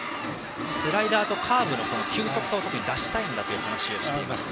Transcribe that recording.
スライダーとカーブの球速差を出したいと話していました。